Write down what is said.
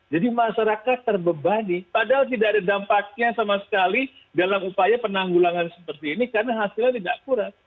jadi masyarakat terbebani padahal tidak ada dampaknya sama sekali dalam upaya penanggulangan seperti ini karena hasilnya tidak akurat